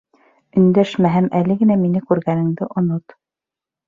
Өндәшмә, һәм әле генә мине күргәнеңде онот.